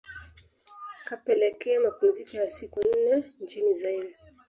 kapelekea mapumziko ya siku nne nchini Zaire